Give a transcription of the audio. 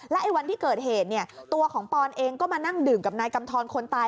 ไอ้วันที่เกิดเหตุเนี่ยตัวของปอนเองก็มานั่งดื่มกับนายกำทรคนตาย